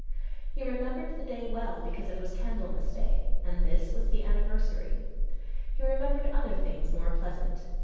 He remembered the day well because it was Candlemas day, and this was the anniversary. He remembered other things more pleasant.